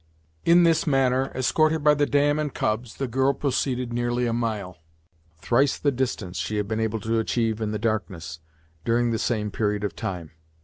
In this manner, escorted by the dam and cubs, the girl proceeded nearly a mile, thrice the distance she had been able to achieve in the darkness, during the same period of time.